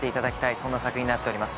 そんな作品になっております